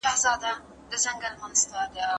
د سولې فرهنګ د خبرو، تفاهم او زغم له لارې منځته راځي.